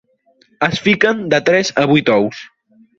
Es fiquen de tres a vuit ous.